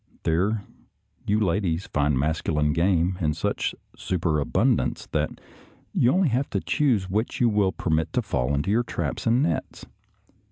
There, you ladies find masculine game in such super abundance that you have only to choose which you will permit to fall into your traps and nets.